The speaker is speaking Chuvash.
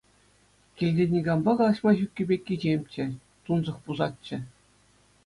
Килте никампа калаҫма ҫуккипе кичемччӗ, тунсӑх пусатчӗ.